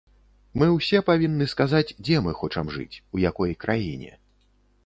Мы ўсе павінны сказаць, дзе мы хочам жыць, у якой краіне.